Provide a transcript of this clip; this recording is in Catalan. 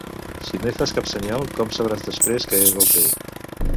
Si no hi fas cap senyal, com sabràs després que és el teu?